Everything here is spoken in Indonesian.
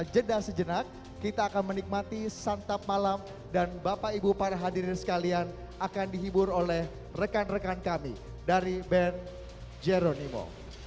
jeda sejenak kita akan menikmati santap malam dan bapak ibu para hadirin sekalian akan dihibur oleh rekan rekan kami dari band jeronimo